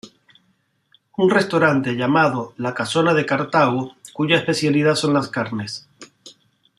Un restaurante llamado "La Casona de Cartago" cuya especialidad son las carnes.